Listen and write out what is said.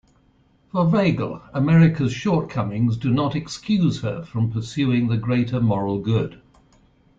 For Weigel, America's shortcomings do not excuse her from pursuing the greater moral good.